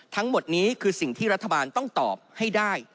ทั้งหมดนี้คือสิ่งที่รัฐบาลต้องตอบให้ได้